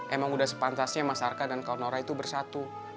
emang udah sepantasnya mas arka dan kawan nora itu bersatu